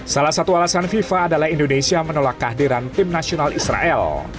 salah satu alasan fifa adalah indonesia menolak kehadiran tim nasional israel